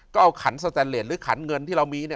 ก็เอาขันสแตนเลสหรือขันเงินที่เรามี